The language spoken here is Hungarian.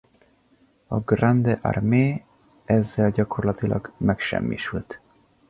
A Grande Armée ezzel gyakorlatilag megsemmisült.